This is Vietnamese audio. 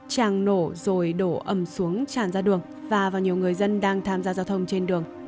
tràn nổ rồi đổ ẩm xuống tràn ra đường và vào nhiều người dân đang tham gia giao thông trên đường